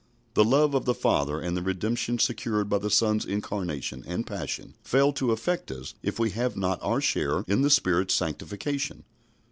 The love of the Father and the redemption secured by the Son's Incarnation and Passion fail to affect us if we have not our share in the Spirit's sanctification.